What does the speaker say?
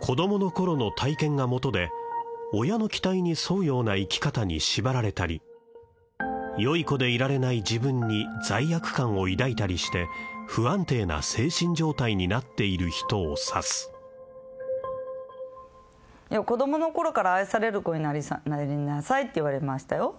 子供の頃の体験がもとで親の期待に添うような生き方に縛られたりよい子でいられない自分に罪悪感を抱いたりして不安定な精神状態になっている人をさす子供の頃から「愛される子になりなさい」って言われましたよ